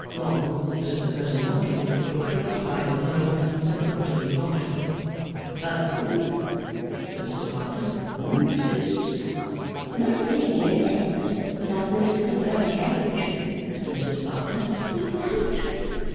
Long, as if the person knocking were preoccupied in mind, and forgot to leave off. 'Halloa!' said Mr Sparkler. 'Who's this?' 'Not Amy and Edward without notice and without a carriage!' said Mrs Sparkler. 'Look out.